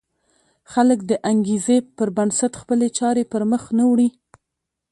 خلک د انګېزې پر بنسټ خپلې چارې پر مخ نه وړي.